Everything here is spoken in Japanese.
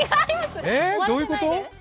えっ、どういうこと？